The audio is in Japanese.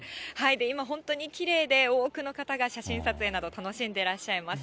今、本当にきれいで、多くの方が写真撮影など楽しんでいらっしゃいます。